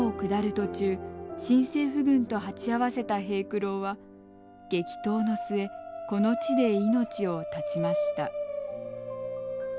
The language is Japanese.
途中新政府軍と鉢合わせた平九郎は激闘の末この地で命を絶ちました。